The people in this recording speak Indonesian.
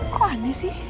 kok aneh sih